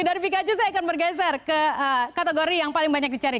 dari vikaju saya akan bergeser ke kategori yang paling banyak dicari